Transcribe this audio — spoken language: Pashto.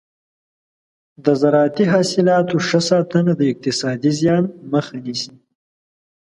د زراعتي حاصلاتو ښه ساتنه د اقتصادي زیان مخه نیسي.